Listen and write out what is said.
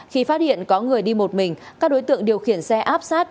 khi phát hiện có người đi một mình các đối tượng điều khiển xe áp sát